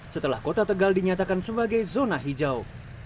setelah kota tegal dinyatakan sebagai zona hijau